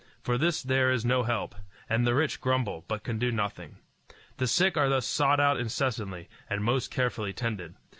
For this there is no help, and the rich grumble, but can do nothing. The sick are thus sought out incessantly, and most carefully tended.